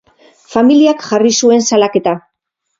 Familiak jarri zuen salaketa.